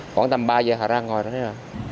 khoảng tầm ba giờ hả ra ngồi đó